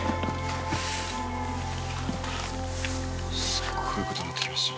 すごいことになってきました。